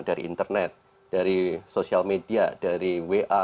dari internet dari sosial media dari wa